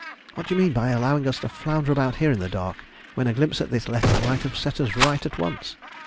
What do you mean by allowing us to flounder about here in the dark, when a glimpse at this letter might have set us right at once?"